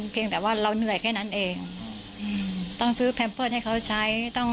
เพียงแต่ว่าเราเหนื่อยแค่นั้นเองต้องซื้อแพมเปิ้ลให้เขาใช้ต้อง